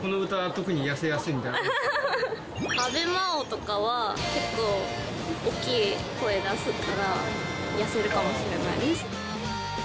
この歌、阿部真央とかは結構、大きい声出すから、痩せるかもしれない。